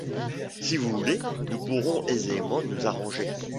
Si vous voulez, nous pourrons aisément nous arranger!